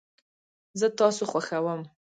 زه تاسو خوښوم